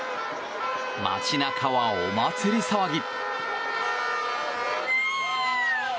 街中はお祭り騒ぎ。